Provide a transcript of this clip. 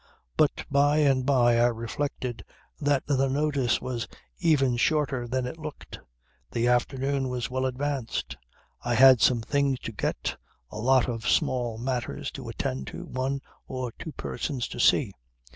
But by and by I reflected that the notice was even shorter than it looked. The afternoon was well advanced; I had some things to get, a lot of small matters to attend to, one or two persons to see.